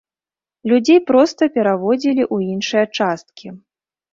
Людзей проста пераводзілі ў іншыя часткі.